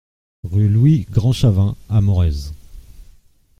Rue Louis Grandchavin à Morez